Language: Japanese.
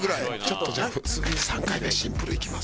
ちょっとじゃあ普通に３回目シンプルいきます。